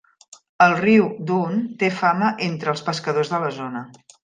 El riu Doon té fama entre els pescadors de la zona.